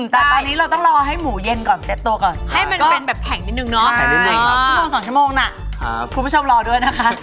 แต่ตอนนี้เราต้องรอให้หมูเย็นก่อนเซ็ตตัวก่อนให้มันเป็นแบบแข็งนิดนึงเนาะชั่วโมง๒ชั่วโมงน่ะคุณผู้ชมรอด้วยนะคะ